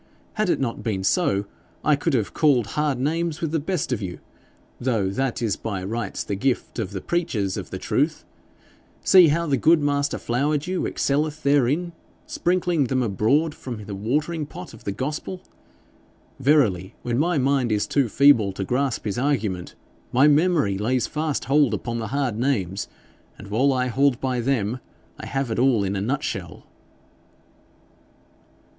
Had it not been so, I could have called hard names with the best of you, though that is by rights the gift of the preachers of the truth. See how the good master Flowerdew excelleth therein, sprinkling them abroad from the watering pot of the gospel. Verily, when my mind is too feeble to grasp his argument, my memory lays fast hold upon the hard names, and while I hold by them, I have it all in a nutshell.'